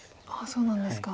そうなんですか。